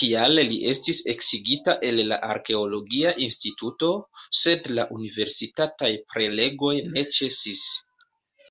Tial li estis eksigita el la arkeologia instituto, sed la universitataj prelegoj ne ĉesis.